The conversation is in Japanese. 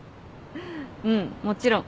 うんもちろん。